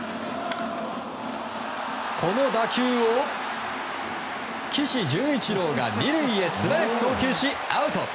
この打球を岸潤一郎が２塁へ素早く送球し、アウト！